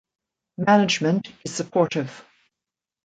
Management is supportive.